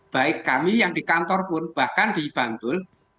baik kami yang di kantor pun bahkan di bantul